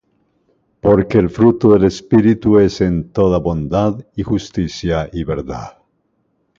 Porque el fruto del Espíritu es en toda bondad, y justicia, y verdad;